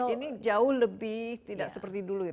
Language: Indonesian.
ini jauh lebih tidak seperti dulu ya